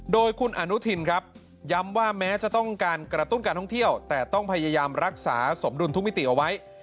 โดยคุณอนุทินครับย้ำว่าแม้จะต้องการกระตุ้นการท่องเที่ยวแต่ต้องพยายามรักษาสมดุลทุกมิติเอาไว้